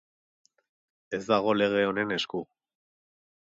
Ez dago lege honen esku.